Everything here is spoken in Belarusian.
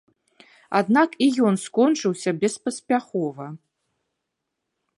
Аднак і ён скончыўся беспаспяхова.